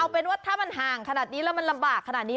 เอาเป็นว่าถ้ามันห่างขนาดนี้แล้วมันลำบากขนาดนี้